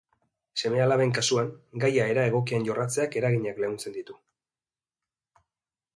Seme-alaben kasuan, gaia era egokian jorratzeak eraginak leuntzen ditu.